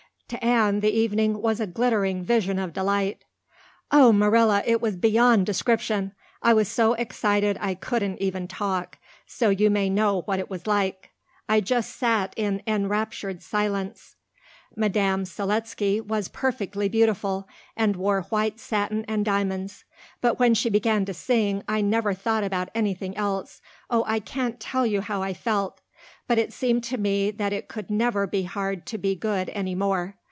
To Anne the evening was a glittering vision of delight. "Oh, Marilla, it was beyond description. I was so excited I couldn't even talk, so you may know what it was like. I just sat in enraptured silence. Madame Selitsky was perfectly beautiful, and wore white satin and diamonds. But when she began to sing I never thought about anything else. Oh, I can't tell you how I felt. But it seemed to me that it could never be hard to be good any more.